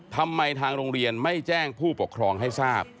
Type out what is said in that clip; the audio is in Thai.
ทางโรงเรียนไม่แจ้งผู้ปกครองให้ทราบ